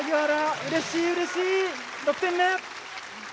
うれしいうれしい６点目！